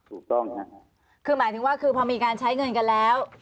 ถูกต้องค่ะคือหมายถึงว่าคือพอมีการใช้เงินกันแล้ว